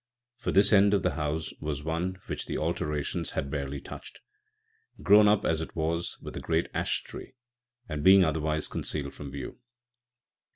For this end of the house was one which the alterations had barely touched, grown up as it was with the great ash tree, and being otherwise concealed from view.